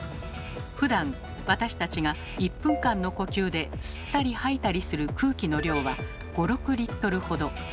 ふだん私たちが１分間の呼吸で吸ったり吐いたりする空気の量は５６リットルほど。